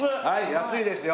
安いですよ。